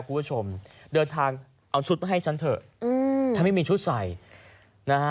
คุณผู้ชมเดินทางเอาชุดมาให้ฉันเถอะอืมฉันไม่มีชุดใส่นะฮะ